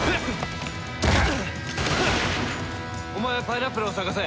お前はパイナップルを捜せ！